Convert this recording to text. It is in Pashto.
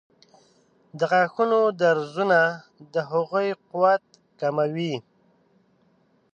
د غاښونو درزونه د هغوی قوت کموي.